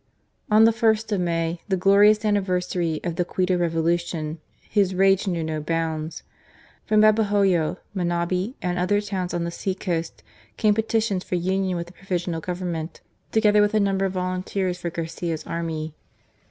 On the ist of May, the glorious anniversary of the Quito Revolution, his rage knew no bounds. From Babahoyo, Manabi, and other towns on the sea coast, came petitions for union with the Provisional Government, together with a number of volunteers for Garcia's army.